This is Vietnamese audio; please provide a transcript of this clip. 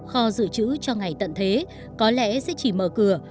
kho dự trữ cho ngày tận thế có lẽ sẽ chỉ mở cửa